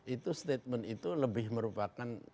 itu statement itu lebih merupakan